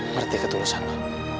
berarti ketulusan lu